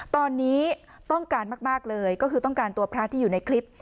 ตอนนี้ต้องการมากเลยก็คือต้องการตัวพระที่อยู่ในคลิป